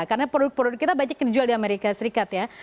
karena produk produk kita banyak yang dijual di amerika serikat ya